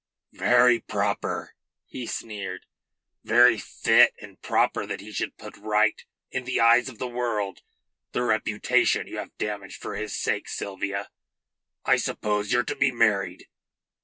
"Very proper," he sneered. "Very fit and proper that he should put right in the eyes of the world the reputation you have damaged for his sake, Sylvia. I suppose you're to be married."